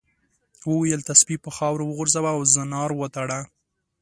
وویل تسبیح په خاورو وغورځوه او زنار وتړه.